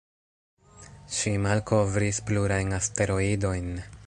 Ŝi malkovris plurajn asteroidojn.